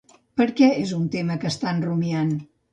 Per què és un tema que estan rumiant?